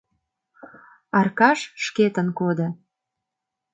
Аркаш шкетын кодо.